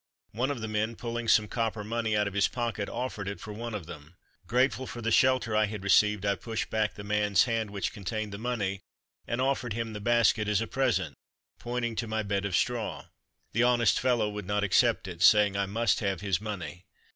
One of the men, pulling some copper money out of his pocket, offered it for one of them. Grateful for the shelter I had received, I pushed back the man's hand which contained the money and offered him the basket as a present, pointing to my bed of straw. The honest fellow would not accept it, saying I must have his money.